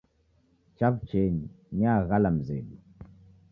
Chaw'uchenyi, niaghala mzedu